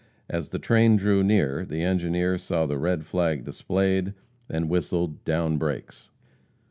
As the train drew near, the engineer saw the red flag displayed, and whistled "down brakes."